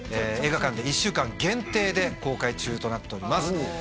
映画館で１週間限定で公開中となっております